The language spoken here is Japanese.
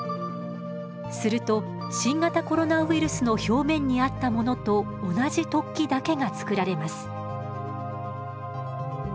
すると新型コロナウイルスの表面にあったものと同じ突起だけがつくられます。